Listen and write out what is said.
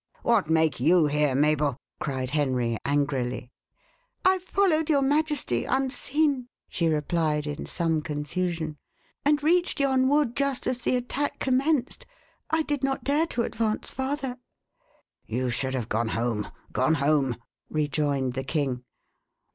"What make you here, Mabel?" cried Henry angrily. "I followed your majesty unseen," she replied, in some confusion, "and reached yon wood just as the attack commenced. I did not dare to advance farther." "You should have gone home gone home," rejoined the king.